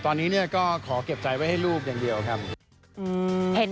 ตอนนี้เนี่ยก็ขอเก็บใจไว้ให้ลูกอย่างเดียวครับ